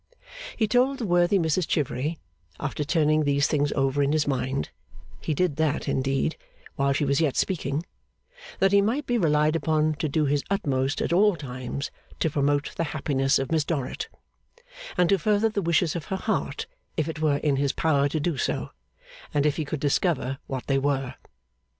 He told the worthy Mrs Chivery, after turning these things over in his mind he did that, indeed, while she was yet speaking that he might be relied upon to do his utmost at all times to promote the happiness of Miss Dorrit, and to further the wishes of her heart if it were in his power to do so, and if he could discover what they were.